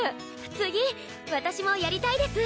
次私もやりたいです